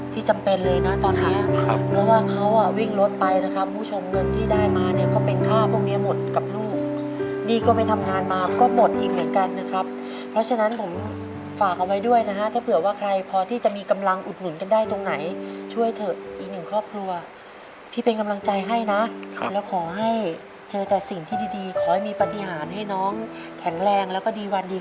จำเป็นเลยนะตอนนี้เพราะว่าเขาอ่ะวิ่งรถไปนะครับคุณผู้ชมเงินที่ได้มาเนี่ยก็เป็นค่าพวกเนี้ยหมดกับลูกหนี้ก็ไปทำงานมาก็หมดอีกเหมือนกันนะครับเพราะฉะนั้นผมฝากเอาไว้ด้วยนะฮะถ้าเผื่อว่าใครพอที่จะมีกำลังอุดหนุนกันได้ตรงไหนช่วยเถอะอีกหนึ่งครอบครัวพี่เป็นกำลังใจให้นะแล้วขอให้เจอแต่สิ่งที่ดีขอให้มีปฏิหารให้น้องแข็งแรงแล้วก็ดีวันดี